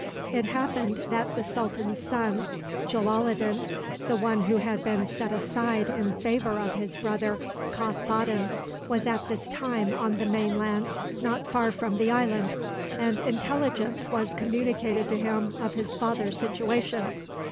It happened that the sultan's son, Jalaloddin, the one who had been set aside in favor of his brother Kothboddin, was at this time on the main land not far from the island, and intelligence was communicated to him of his father's situation.